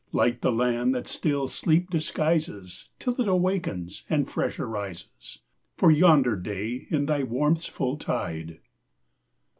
Light the land that still sleep disguises Till it awakens and fresh arises For yonder day in thy warmth's full tide!